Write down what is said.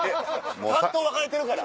担当分かれてるから。